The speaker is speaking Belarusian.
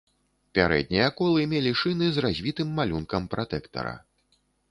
Пярэднія колы мелі шыны з развітым малюнкам пратэктара.